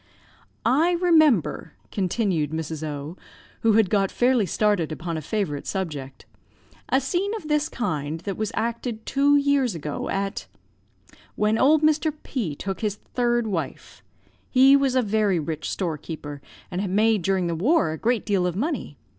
"I remember," continued Mrs. O , who had got fairly started upon a favorite subject, "a scene of this kind, that was acted two years ago, at , when old Mr. P took his third wife. He was a very rich storekeeper, and had made during the war a great deal of money.